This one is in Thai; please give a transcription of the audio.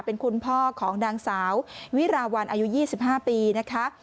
เป็นคุณพ่อของนางสาววิราวันอายุ๒๕ปีนะคะ